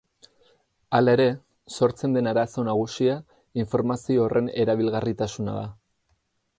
Hala ere, sortzen den arazo nagusia informazio horren erabilgarritasuna da.